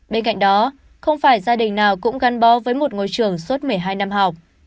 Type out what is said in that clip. bên cạnh đó không phải gia đình nào cũng gắn bó với một ngôi trường suốt một mươi hai năm học